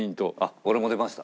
俺も出ました。